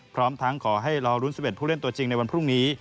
พร้อมทั้งขอให้รอรุ้น๑๑ผู้เล่นตัวจริงในวันพรุ่งนี้